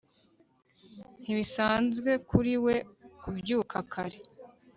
ntibisanzwe kuri we kubyuka kare